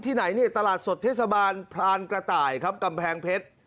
ไหนเนี่ยตลาดสดเทศบาลพรานกระต่ายครับกำแพงเพชร